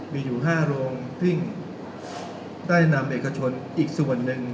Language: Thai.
มีอยู่๕โรงซึ่งได้นำเอกชนอีกส่วนหนึ่ง